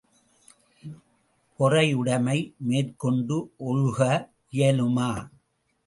பொறையுடைமை மேற்கொண்டு ஒழுக இயலுமா?